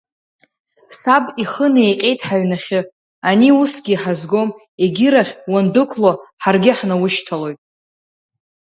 Саб ихы неиҟьеит ҳаҩнахьы, ани усгьы иҳазгом, егьирахь, уандәықәло ҳаргьы ҳнаушьҭалоит!